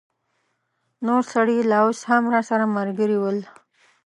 نور سړي لا اوس هم راسره ملګري ول.